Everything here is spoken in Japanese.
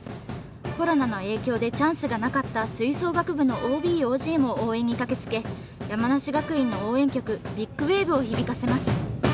コロナの影響でチャンスがなかった吹奏楽部のＯＢ・ＯＧも応援に駆けつけ山梨学院の応援曲「ＢＩＧＷＡＶＥ」を響かせます。